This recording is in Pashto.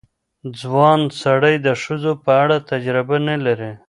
ځوان سړی د ښځو په اړه تجربه نه لري.